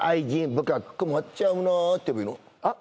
僕は「困っちゃうな」って言えばいいの？